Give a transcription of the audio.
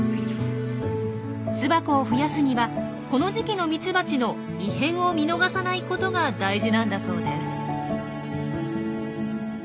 巣箱を増やすにはこの時期のミツバチの異変を見逃さないことが大事なんだそうです。